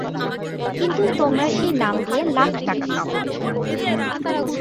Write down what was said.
কিন্তু তোমরা সেই নাম দিয়ে লাখ টাকা কামাও।